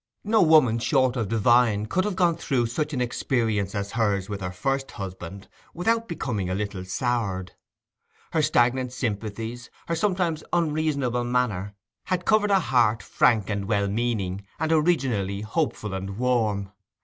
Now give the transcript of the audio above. No woman short of divine could have gone through such an experience as hers with her first husband without becoming a little soured. Her stagnant sympathies, her sometimes unreasonable manner, had covered a heart frank and well meaning, and originally hopeful and warm.